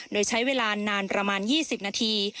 โดยใช้เวลานานประมาณ๒๐นาที